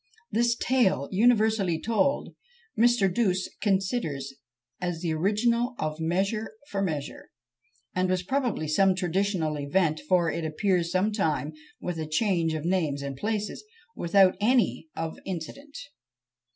This tale, universally told, Mr. Douce considers as the origin of Measure for Measure, and was probably some traditional event; for it appears sometimes with a change of names and places, without any of incident.